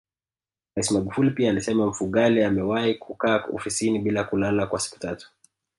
Rais Magufuli pia alisema Mfugale amewahi kukaa ofisini bila kulala kwa siku tatu